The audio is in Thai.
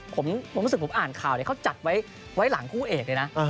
ผมรู้สึกผมอ่านข่าวเขาจัดไว้หลังคู่เอกเลยนะ